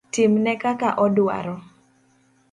Timne kaka odwaro.